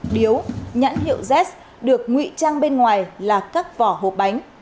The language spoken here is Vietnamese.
điếu nhãn hiệu z được nguy trang bên ngoài là các vỏ hộp bánh